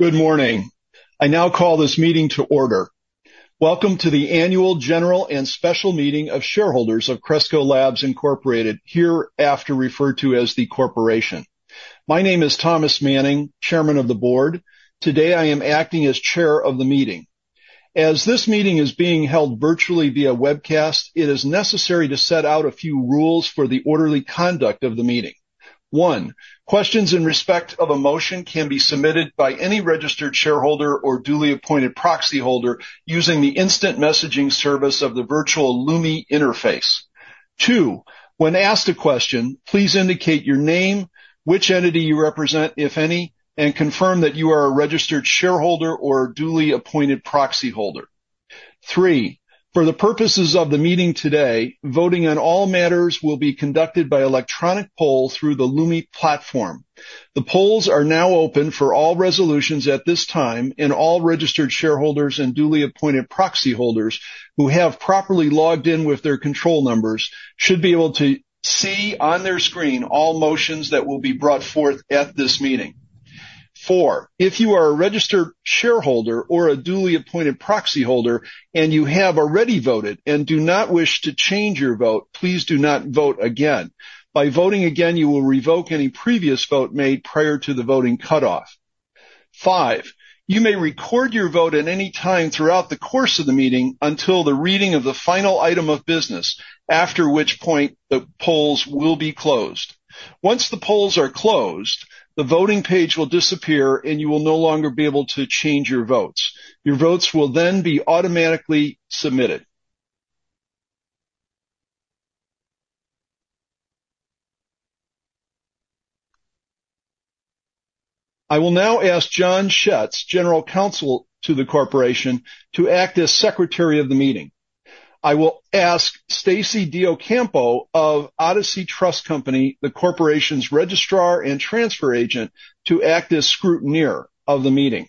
Good morning. I now call this meeting to order. Welcome to the annual general and special meeting of shareholders of Cresco Labs Incorporated, hereafter referred to as the corporation. My name is Thomas Manning, Chairman of the Board. Today, I am acting as chair of the meeting. As this meeting is being held virtually via webcast, it is necessary to set out a few rules for the orderly conduct of the meeting. One, questions in respect of a motion can be submitted by any registered shareholder or duly appointed proxy holder using the instant messaging service of the virtual Lumi interface. Two, when asked a question, please indicate your name, which entity you represent, if any, and confirm that you are a registered shareholder or duly appointed proxy holder. 3., for the purposes of the meeting today, voting on all matters will be conducted by electronic poll through the Lumi platform. The polls are now open for all resolutions at this time, and all registered shareholders and duly appointed proxy holders who have properly logged in with their control numbers should be able to see on their screen all motions that will be brought forth at this meeting. 4., if you are a registered shareholder or a duly appointed proxy holder, and you have already voted and do not wish to change your vote, please do not vote again. By voting again, you will revoke any previous vote made prior to the voting cutoff. 5., you may record your vote at any time throughout the course of the meeting until the reading of the final item of business, after which point the polls will be closed. Once the polls are closed, the voting page will disappear, and you will no longer be able to change your votes. Your votes will then be automatically submitted. I will now ask John Schetz, General Counsel to the Corporation, to act as Secretary of the meeting. I will ask Stacy DeOcampo of Odyssey Trust Company, the corporation's registrar and transfer agent, to act as scrutineer of the meeting.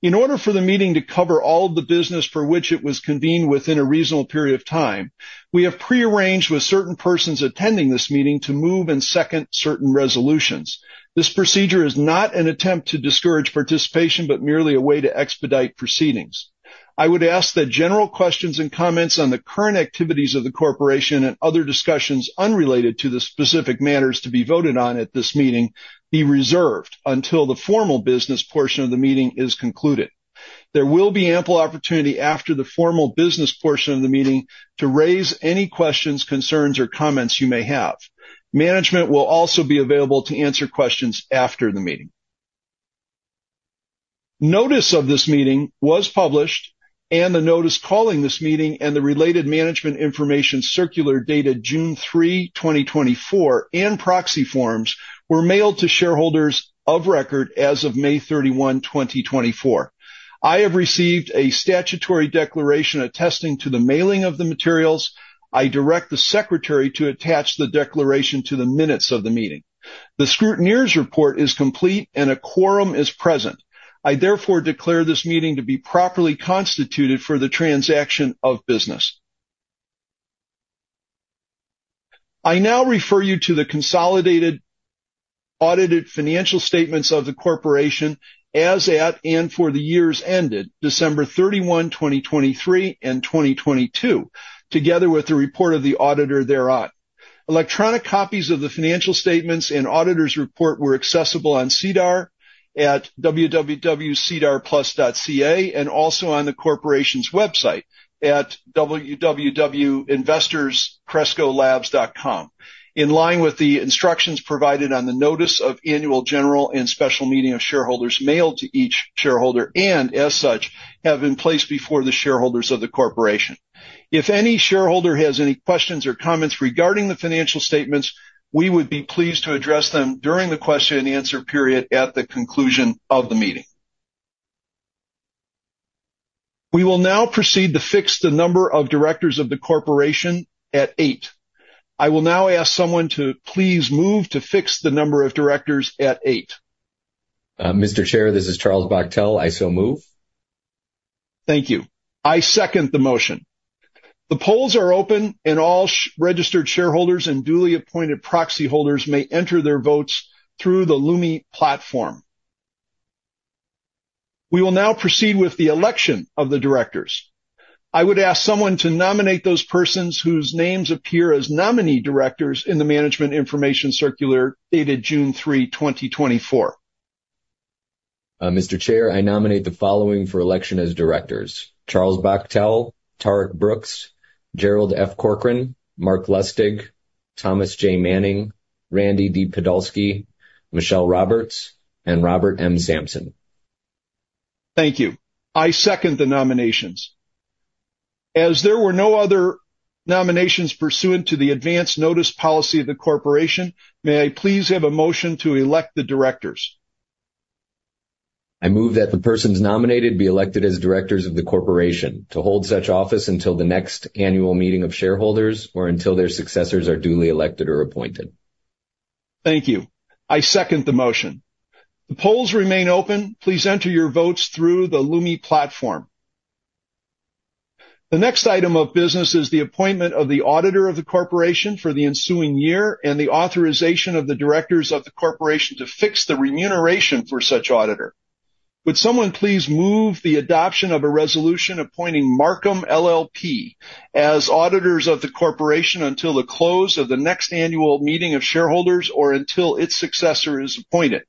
In order for the meeting to cover all of the business for which it was convened within a reasonable period of time, we have pre-arranged with certain persons attending this meeting to move and second certain resolutions. This procedure is not an attempt to discourage participation, but merely a way to expedite proceedings. I would ask that general questions and comments on the current activities of the corporation and other discussions unrelated to the specific matters to be voted on at this meeting be reserved until the formal business portion of the meeting is concluded. There will be ample opportunity after the formal business portion of the meeting to raise any questions, concerns, or comments you may have. Management will also be available to answer questions after the meeting. Notice of this meeting was published, and the notice calling this meeting and the related Management Information Circular, dated June 3, 2024, and proxy forms were mailed to shareholders of record as of May 31, 2024. I have received a statutory declaration attesting to the mailing of the materials. I direct the secretary to attach the declaration to the minutes of the meeting. The scrutineer's report is complete and a quorum is present. I therefore declare this meeting to be properly constituted for the transaction of business. I now refer you to the consolidated audited financial statements of the corporation as at and for the years ended December 31, 2023 and 2022, together with the report of the auditor thereon. Electronic copies of the financial statements and auditor's report were accessible on SEDAR+ at www.sedarplus.ca, and also on the corporation's website at www.investors.crescolabs.com. In line with the instructions provided on the notice of annual, general, and special meeting of shareholders mailed to each shareholder, and as such, have been placed before the shareholders of the corporation. If any shareholder has any questions or comments regarding the financial statements, we would be pleased to address them during the question and answer period at the conclusion of the meeting. We will now proceed to fix the number of directors of the corporation at 8. I will now ask someone to please move to fix the number of directors at 8. Mr. Chair, this is Charles Bachtell. I so move. Thank you. I second the motion. The polls are open, and all registered shareholders and duly appointed proxy holders may enter their votes through the Lumi platform. We will now proceed with the election of the directors. I would ask someone to nominate those persons whose names appear as nominee directors in the Management Information Circular dated June 3, 2024. Mr. Chair, I nominate the following for election as directors: Charles Bachtell, Tarik Brooks, Gerald F. Corcoran, Marc Lustig, Thomas J. Manning, Randy D. Podolsky, Michele Roberts, and Robert M. Sampson. Thank you. I second the nominations. As there were no other nominations pursuant to the advance notice policy of the corporation, may I please have a motion to elect the directors? I move that the persons nominated be elected as directors of the corporation to hold such office until the next annual meeting of shareholders, or until their successors are duly elected or appointed. Thank you. I second the motion. The polls remain open. Please enter your votes through the Lumi platform. The next item of business is the appointment of the auditor of the corporation for the ensuing year and the authorization of the directors of the corporation to fix the remuneration for such auditor. Would someone please move the adoption of a resolution appointing Marcum LLP as auditors of the corporation until the close of the next annual meeting of shareholders or until its successor is appointed,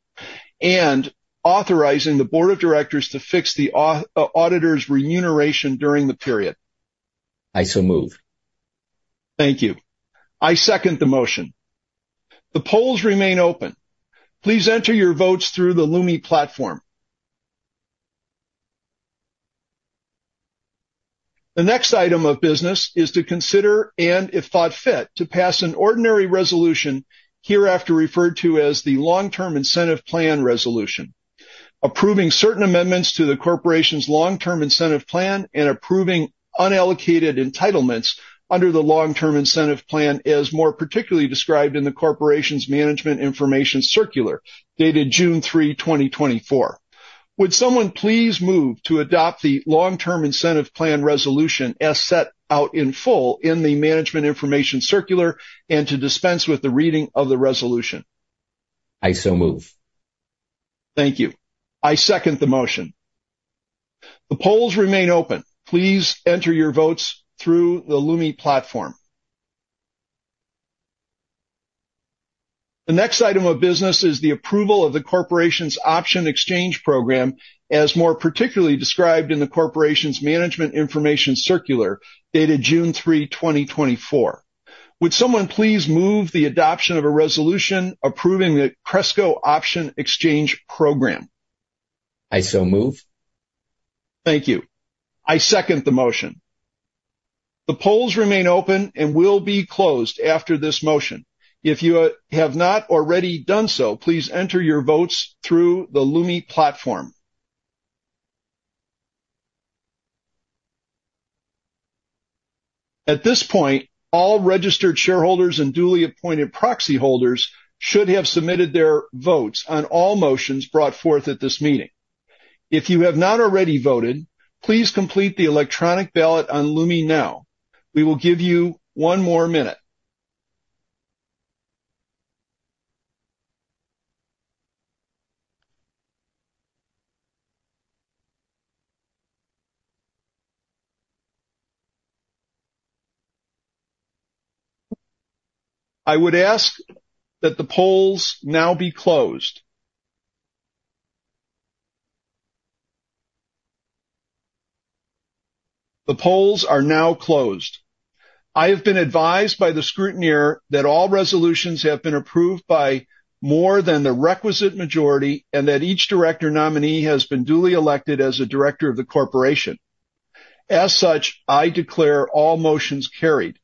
and authorizing the board of directors to fix the auditor's remuneration during the period? I so move. Thank you. I second the motion. The polls remain open. Please enter your votes through the Lumi platform. The next item of business is to consider, and, if thought fit, to pass an ordinary resolution, hereafter referred to as the Long-Term Incentive Plan resolution, approving certain amendments to the corporation's Long-Term Incentive Plan and approving unallocated entitlements under the Long-Term Incentive Plan, as more particularly described in the corporation's Management Information Circular, dated June 3, 2024. Would someone please move to adopt the Long-Term Incentive Plan resolution as set out in full in the Management Information Circular and to dispense with the reading of the resolution? I so move. Thank you. I second the motion. The polls remain open. Please enter your votes through the Lumi platform. The next item of business is the approval of the corporation's option exchange program, as more particularly described in the corporation's Management Information Circular, dated June 3, 2024. Would someone please move the adoption of a resolution approving the Cresco Option Exchange Program? I so move. Thank you. I second the motion. The polls remain open and will be closed after this motion. If you have not already done so, please enter your votes through the Lumi platform. At this point, all registered shareholders and duly appointed proxy holders should have submitted their votes on all motions brought forth at this meeting. If you have not already voted, please complete the electronic ballot on Lumi now. We will give you one more minute. I would ask that the polls now be closed. The polls are now closed. I have been advised by the scrutineer that all resolutions have been approved by more than the requisite majority and that each director nominee has been duly elected as a director of the corporation. As such, I declare all motions carried.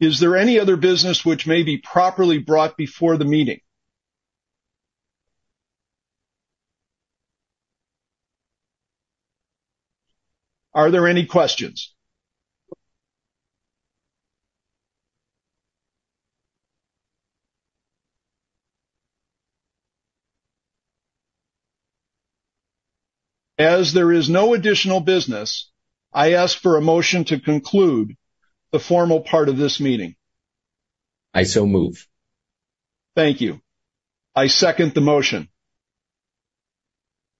Is there any other business which may be properly brought before the meeting? Are there any questions? As there is no additional business, I ask for a motion to conclude the formal part of this meeting. I so move. Thank you. I second the motion.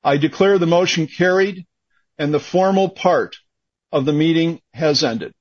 I declare the motion carried, and the formal part of the meeting has ended.